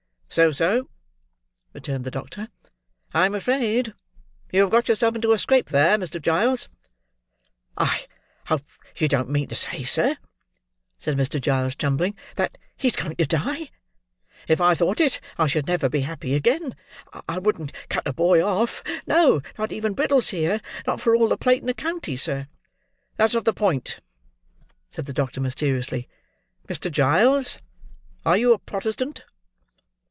"So so"; returned the doctor. "I am afraid you have got yourself into a scrape there, Mr. Giles." "I hope you don't mean to say, sir," said Mr. Giles, trembling, "that he's going to die. If I thought it, I should never be happy again. I wouldn't cut a boy off: no, not even Brittles here; not for all the plate in the county, sir." "That's not the point," said the doctor, mysteriously. "Mr. Giles, are you a Protestant?"